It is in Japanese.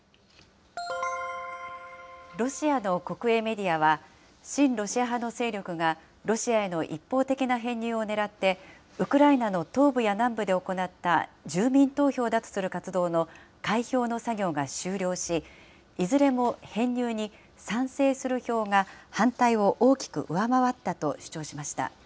ロシアの国営メディアは、親ロシア派の勢力がロシアへの一方的な編入を狙って、ウクライナの東部や南部で行った住民投票だとする活動の開票の作業が終了し、いずれも編入に賛成する票が反対を大きく上回ったと主張しました。